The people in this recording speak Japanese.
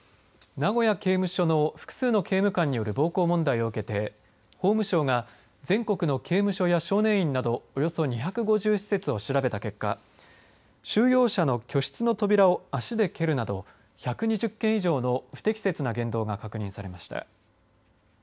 名古屋刑務所の複数の刑務官による暴行問題を受けて法務省が全国の刑務所や少年院などおよそ２５０施設を調べた結果収容者の居室の扉を足で蹴るなど１２０件以上の不適切な言動が確認されました。